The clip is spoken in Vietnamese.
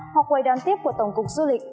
hoặc quầy đoàn tiếp của tổng cục du lịch